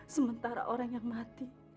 sementara orang yang mati